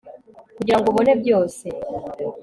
kugirango ubone byose